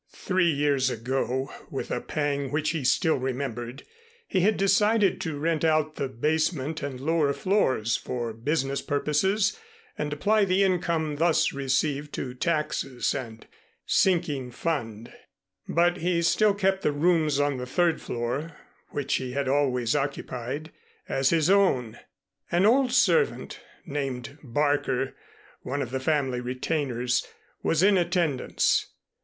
Three years ago, with a pang which he still remembered, he had decided to rent out the basement and lower floors for business purposes and apply the income thus received to taxes and sinking fund, but he still kept the rooms on the third floor which he had always occupied, as his own. An old servant named Barker, one of the family retainers, was in attendance.